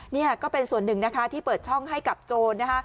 นี่ก็เป็นส่วนหนึ่งที่เปิดช่องให้กับโจร